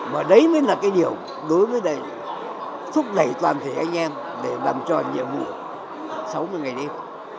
và đấy mới là cái điều đối với thúc đẩy toàn thể anh em để làm tròn nhiệm vụ sáu mươi ngày đêm